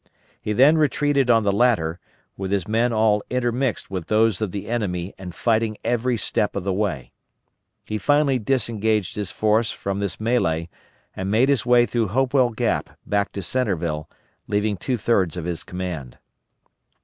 He then retreated on the latter, with his men all intermixed with those of the enemy and fighting every step of the way. He finally disengaged his force from this mélée and made his way through Hopewell Gap back to Centreville, losing two thirds of his command.